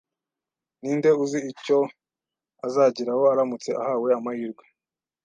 Ninde uzi icyo azageraho aramutse ahawe amahirwe?